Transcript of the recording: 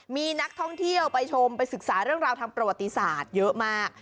มีนักท่องเที่ยวไปชมไปศึกษาเรื่องราวทางประวัติศาสตร์เยอะมาก